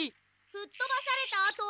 ふっとばされたあと。